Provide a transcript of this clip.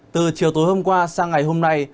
từ chiều tối hôm qua sang ngày hôm nay